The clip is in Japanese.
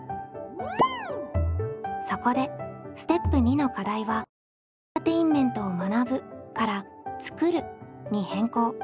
そこでステップ２の課題はエンターテインメントを「学ぶ」から「作る」に変更。